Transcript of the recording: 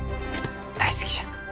大好きじゃ。